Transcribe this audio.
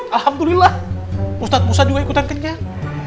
alhamdulillah ustadz musa juga ikutan kenyang